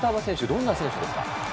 どんな選手ですか？